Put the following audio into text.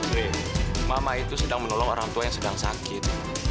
d mama itu sedang menolong orang tua yang sedang sakit